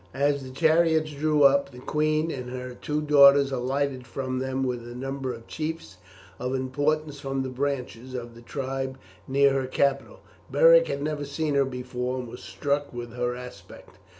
As the chariots drew up, the queen and her two daughters alighted from them, with a number of chiefs of importance from the branches of the tribe near her capital. Beric had never seen her before, and was struck with her aspect.